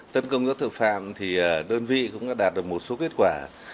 tấn công do thực phạm thì đơn vị cũng đã đạt được một số kết quả